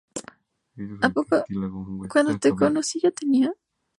Resultó lo suficientemente bien como para que el estudio produjera sus propios dibujos animados.